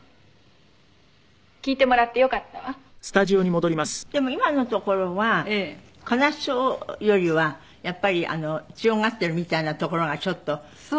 「聞いてもらってよかったわ」でも今のところは悲しそうよりはやっぱり強がっているみたいなところがちょっと。